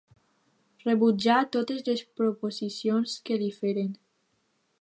Rebutjà totes les proposicions que li feren.